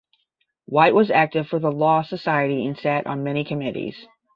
White was active for the law society and sat on many committees.